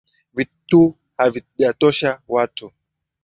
Vitu havijatosha watu